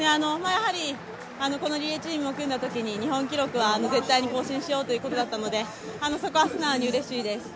やはりこのリレーチームを組んだときに日本記録は絶対に更新しようということでしたのでそこは素直にうれしいです。